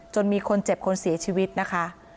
มีคนเจ็บคนเสียชีวิตนะคะ